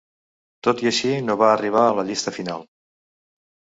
Tot i així, no va arribar a la llista final.